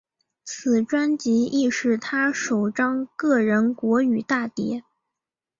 此专辑亦是他首张个人国语大碟。